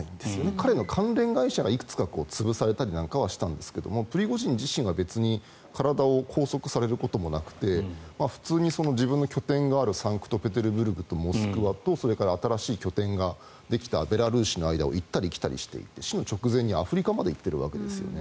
彼の関連会社が、いくつか潰されたりはしたんですがプリゴジン自身が別に体を拘束されることもなくて普通に自分の拠点があるサンクトペテルブルクとモスクワとそれから新しい拠点ができたベラルーシの間を行ったり来たりしていて死の直前にアフリカまで行っているわけですよね。